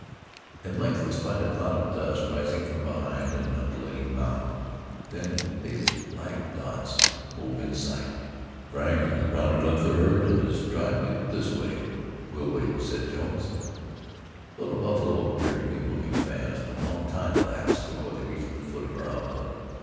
At length we spied a cloud of dust rising from behind an undulating mound, then big black dots hove in sight. "Frank has rounded up the herd, and is driving it this way. We'll wait," said Jones. Though the buffalo appeared to be moving fast, a long time elapsed before they reached the foot of our outlook.